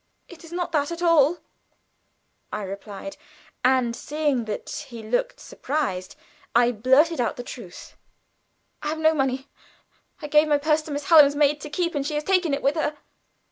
"It is not that at all," I replied; and seeing that he looked surprised, I blurted out the truth. "I have no money. I gave my purse to Miss Hallam's maid to keep and she has taken it with her."